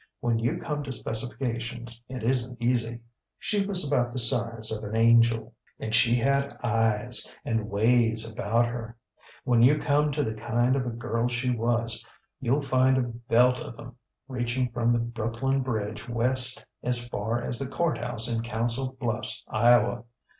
When you come to specifications it isnŌĆÖt easy. She was about the size of an angel, and she had eyes, and ways about her. When you come to the kind of a girl she was, youŌĆÖll find a belt of ŌĆÖem reaching from the Brooklyn Bridge west as far as the courthouse in Council Bluffs, Ia.